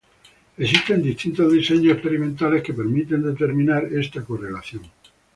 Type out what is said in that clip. Existen distintos diseños experimentales que permiten determinar esta correlación.